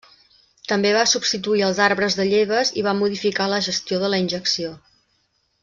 També va substituir els arbres de lleves i va modificar la gestió de la injecció.